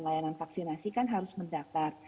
layanan vaksinasi kan harus mendaftar